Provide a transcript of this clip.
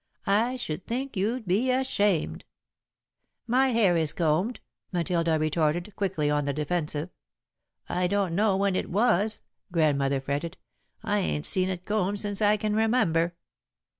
I should think you'd be ashamed." "My hair is combed," Matilda retorted, quickly on the defensive. "I don't know when it was," Grandmother fretted. "I ain't seen it combed since I can remember."